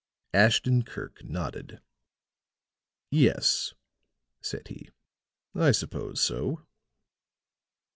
Ashton Kirk nodded. "Yes," said he, "I suppose so."